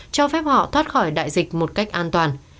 cho phép họ thoát khỏi đại dịch một cách an toàn